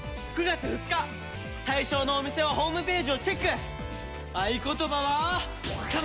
対象のお店はホームページをチェック！